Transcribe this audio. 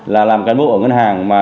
là làm cán bộ ở ngân hàng